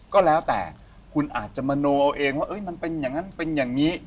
ก็แล้วแต่คุณอาจจะมโนเอาเองว่ามันเป็นอย่างนั้นเป็นอย่างนี้